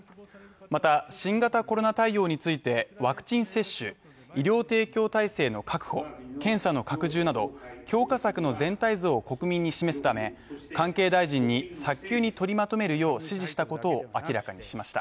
また新型コロナ対応についてワクチン接種、医療提供体制の確保、検査の拡充など強化策の全体像を国民に示すため関係大臣に早急に取りまとめるよう指示したことを明らかにしました。